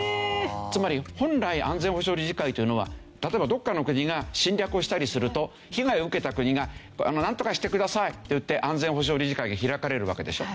つまり本来安全保障理事会というのは例えばどこかの国が侵略をしたりすると被害を受けた国がなんとかしてくださいっていって安全保障理事会が開かれるわけでしょ。